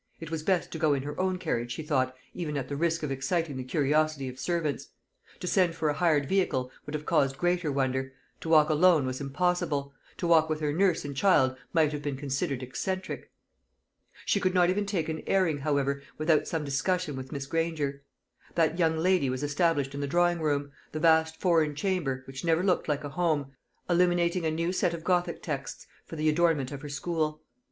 It was best to go in her own carriage, she thought, even at the risk of exciting the curiosity of servants. To send for a hired vehicle would have caused greater wonder; to walk alone was impossible; to walk with her nurse and child might have been considered eccentric. She could not even take an airing, however, without some discussion with Miss Granger. That young lady was established in the drawing room the vast foreign chamber, which never looked like a home illuminating a new set of Gothic texts for the adornment of her school.